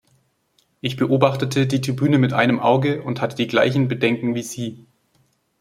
Ich beobachtete die Tribüne mit einem Auge und hatte die gleichen Bedenken wie Sie.